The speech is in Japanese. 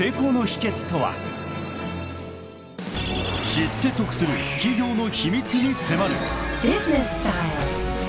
［知って得する企業の秘密に迫る］